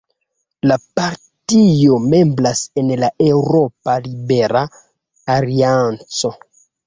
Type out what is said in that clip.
La partio membras en la Eŭropa Libera Alianco.